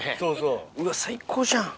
うわ最高じゃん！